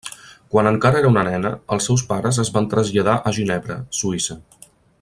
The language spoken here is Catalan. Quan encara era una nena, els seus pares es van traslladar a Ginebra, Suïssa.